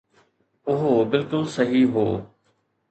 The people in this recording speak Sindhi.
اهو بلڪل صحيح هو